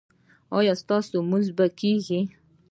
ایا ستاسو لمونځ به کیږي؟